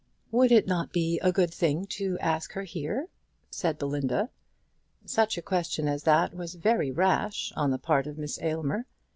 "Would it not be a good thing to ask her here?" said Belinda. Such a question as that was very rash on the part of Miss Aylmer.